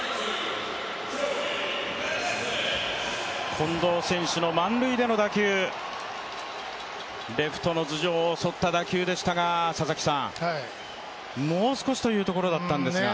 近藤選手の満塁での打球、レフトの頭上を襲った打球でしたが、もう少しというところだったんですが。